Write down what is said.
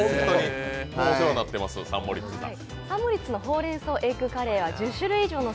お世話になってます、サンモリッツさん。